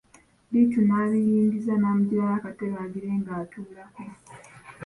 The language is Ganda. Bittu n'abiyingiza n'amujjirayo akatebe agire ng'atulako.